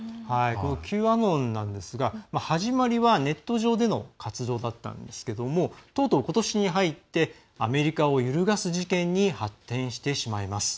Ｑアノンなんですが始まりはネット上での活動だったんですがとうとう、ことしに入ってアメリカを揺るがす事件に発展してしまいます。